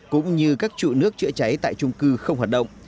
cũng như các trụ nước chữa cháy tại trung cư không hoạt động